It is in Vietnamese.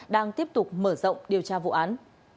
đang tiếp tục mở rộng điều tra vụ án